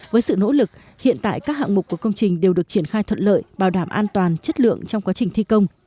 với sự nỗ lực hiện tại các hạng mục của công trình đều được triển khai thuận lợi bảo đảm an toàn chất lượng trong quá trình thi công